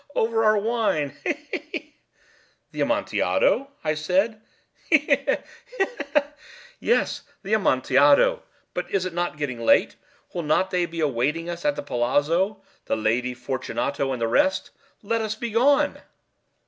he!—over our wine—he! he! he!" "The Amontillado!" I said. "He! he! he!—he! he! he!—yes, the Amontillado. But is it not getting late? Will not they be awaiting us at the palazzo, the Lady Fortunato and the rest? Let us be gone."